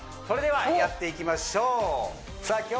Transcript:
それではやっていきましょうさあ